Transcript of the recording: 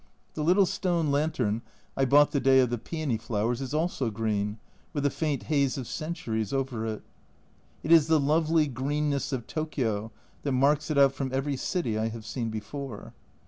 The little stone lantern I bought the day of the paeony flowers, is also green, with a faint haze of centuries over it ! It is the lovely greenness of Tokio that marks it out from every city I have seen before.